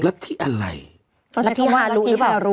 ลัทธิฮารุหรือเปล่า